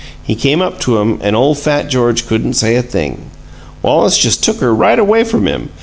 He came up to 'em and ole fat George couldn't say a thing. Wallace just took her right away from him.